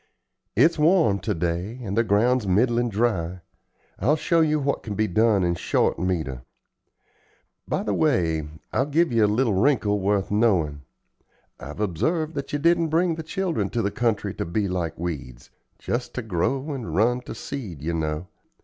It's warm to day, and the ground's middlin' dry. I'll show you what can be done in short metre. By the way, I'll give you a little wrinkle worth knowin'. I've observed that you didn't bring the children to the country to be like weeds just ter grow and run ter seed, ye know.